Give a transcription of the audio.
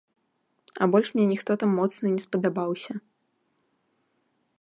А больш мне ніхто там моцна не спадабаўся.